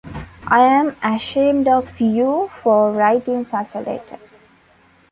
I am ashamed of you for writing such a letter.